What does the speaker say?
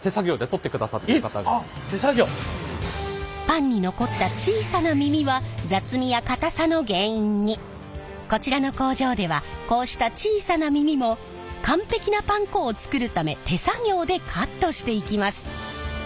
パンに残った小さな耳はこちらの工場ではこうした小さな耳も完璧なパン粉を作るため手作業でカットしていきます。